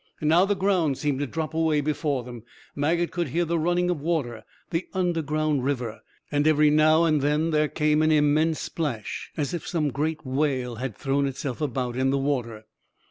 Now the ground seemed to drop away before them. Maget could hear the running of water, the underground river, and every now and then there came an immense splash, as if some great whale had thrown itself about in the water.